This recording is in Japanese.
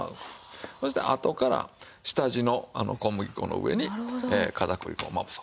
そしてあとから下地の小麦粉の上に片栗粉をまぶす。